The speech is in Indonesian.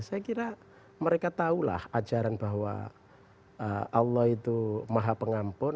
saya kira mereka tahulah ajaran bahwa allah itu maha pengampur